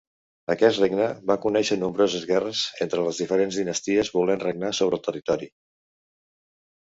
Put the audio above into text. Aquest regne va conèixer nombroses guerres entre les diferents dinasties volent regnar sobre el territori.